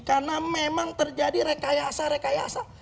karena memang terjadi rekayasa rekayasa